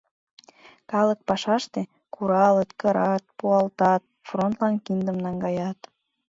Калык пашаште — куралыт, кырат, пуалтат, фронтлан киндым наҥгаят.